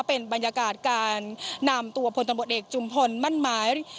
เป็นบรรยากาศการนำตัวพลตำรวจเอกจุมพลมั่นหมาย